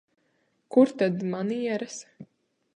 Kur tad manieres?